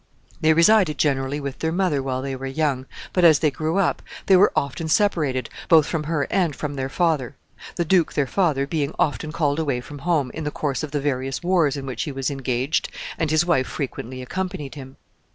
They resided generally with their mother while they were young, but as they grew up they were often separated both from her and from their father the duke, their father, being often called away from home, in the course of the various wars in which he was engaged, and his wife frequently accompanied him.